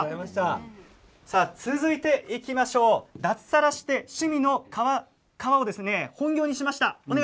続いては脱サラして趣味の革を本業にしました。